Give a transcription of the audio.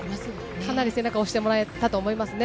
かなり背中を押してもらってると思いますね。